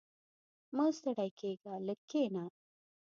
• مه ستړی کېږه، لږ کښېنه.